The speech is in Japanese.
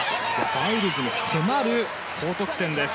バイルズに迫る高得点です。